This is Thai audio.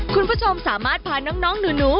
คุณผู้ชมสามารถพาน้องหนู